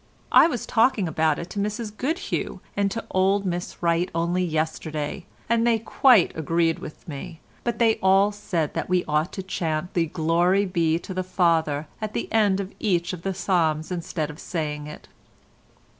I was talking about it to Mrs Goodhew and to old Miss Wright only yesterday, and they quite agreed with me, but they all said that we ought to chant the 'Glory be to the Father' at the end of each of the psalms instead of saying it."